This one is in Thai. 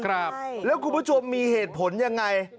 ครับแล้วคุณผู้ชมมีเหตุผลยังไง